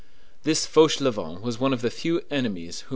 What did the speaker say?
This Fauchelevent was one of the few enemies whom M.